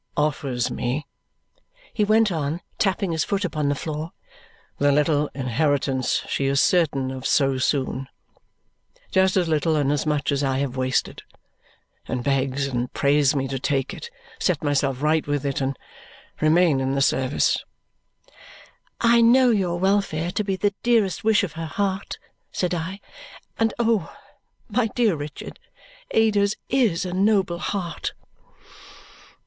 "Offers me," he went on, tapping his foot upon the floor, "the little inheritance she is certain of so soon just as little and as much as I have wasted and begs and prays me to take it, set myself right with it, and remain in the service." "I know your welfare to be the dearest wish of her heart," said I. "And, oh, my dear Richard, Ada's is a noble heart."